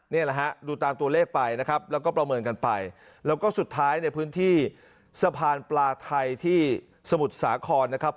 นี่แหละฮะดูตามตัวเลขไปนะครับแล้วก็ประเมินกันไปแล้วก็สุดท้ายในพื้นที่สะพานปลาไทยที่สมุทรสาครนะครับ